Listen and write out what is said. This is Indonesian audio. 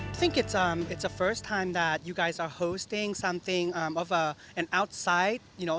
saya pikir ini adalah pertama kali kalian mengundang sesuatu yang di luar